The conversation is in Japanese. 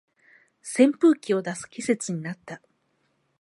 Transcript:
扇風機を出す季節になった